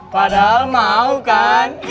padahal mau kan